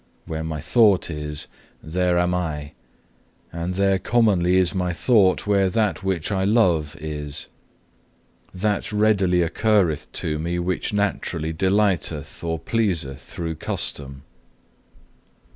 Where my thought is, there am I; and there commonly is my thought where that which I love is. That readily occurreth to me, which naturally delighteth, or pleaseth through custom.